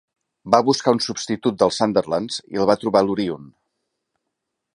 Va buscar un substitut dels Sunderlands i el va trobar a l'Orion.